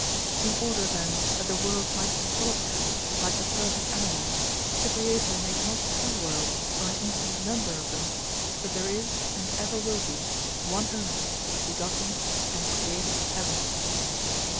In order then that the world might be solitary, like the perfect animal, the creator made not two worlds or an infinite number of them; but there is and ever will be one only begotten and created heaven.